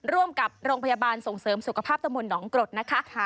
ร่วมกับโรงพยาบาลส่งเสริมสุขภาพตะมนต์หนองกรดนะคะ